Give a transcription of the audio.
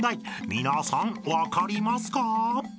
［皆さん分かりますか？］